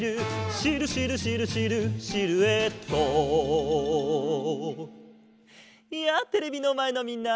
「シルシルシルシルシルエット」やあテレビのまえのみんな！